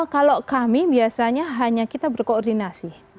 kalau kami biasanya hanya kita berkoordinasi